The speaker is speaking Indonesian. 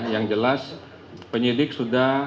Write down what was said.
yang jelas penyidik sudah